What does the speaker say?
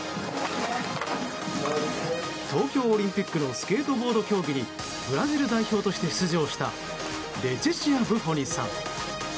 東京オリンピックのスケートボード競技にブラジル代表として出場したレチシア・ブフォニさん。